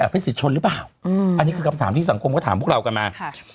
ไปสิชนหรือเปล่าอันนี้คือกำถามที่สังคมก็ถามพวกเรากันมา